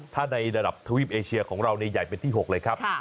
ถ้าในระดับทวีปเอเชียของเราใหญ่เป็นที่๖เลยครับ